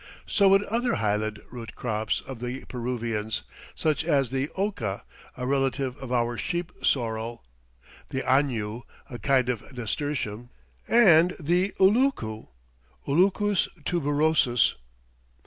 So would other highland root crops of the Peruvians, such as the oca, a relative of our sheep sorrel, the añu, a kind of nasturtium, and the ullucu (ullucus tuberosus).